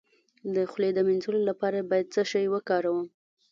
د خولې د مینځلو لپاره باید څه شی وکاروم؟